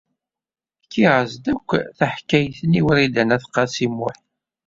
Ḥkiɣ-as-d akk taḥkayt-nni i Wrida n At Qasi Muḥ.